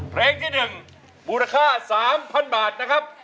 เพลงที่หนึ่งราคา๓๐๐๐บาทนะครับ